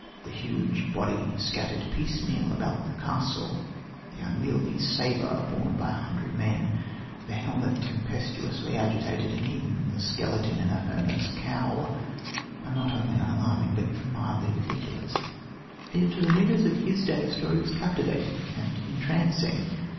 The huge body scattered piecemeal about the castle, the unwieldy sabre borne by a hundred men, the helmet "tempestuously agitated," and even the "skeleton in a hermit's cowl" are not only unalarming but mildly ridiculous. Yet to the readers of his day the story was captivating and entrancing.